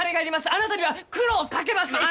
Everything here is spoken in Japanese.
あなたには苦労をかけます！